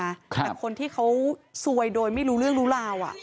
แต่คนที่เขาซวยโดยไม่รู้เรื่องรู้ราว